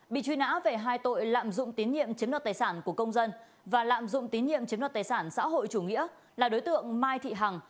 bị truy nã về hai tội lạm dụng tín nhiệm chiếm đoạt tài sản của công dân và lạm dụng tín nhiệm chiếm đoạt tài sản xã hội chủ nghĩa là đối tượng mai thị hằng